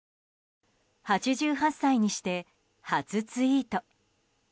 ８８歳にして初ツイート。